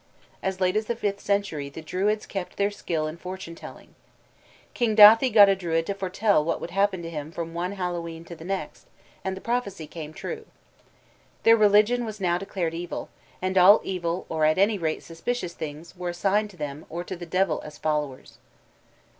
As late as the fifth century the Druids kept their skill in fortune telling. King Dathi got a Druid to foretell what would happen to him from one Hallowe'en to the next, and the prophecy came true. Their religion was now declared evil, and all evil or at any rate suspicious beings were assigned to them or to the devil as followers.